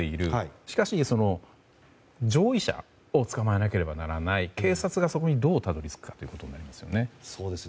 しかし上位者を捕まえなければならない警察がそこにどうたどり着くかですね。